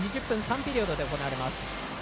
２０分、３ピリオドで行われます。